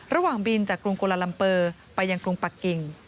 ระหว่างบินจากกรุงโกลาลัมเปอร์ไปยังกรุงปะกิ่ง